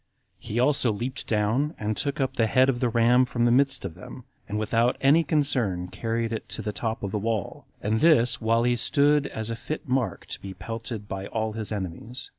He also leaped down, and took up the head of the ram from the midst of them, and without any concern carried it to the top of the wall, and this while he stood as a fit mark to be pelted by all his enemies.